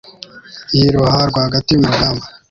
yiroha rwagati mu rugamba